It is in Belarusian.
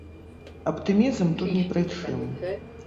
Аптымізм тут ні пры чым.